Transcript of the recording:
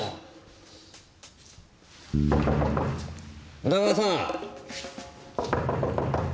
宇田川さん。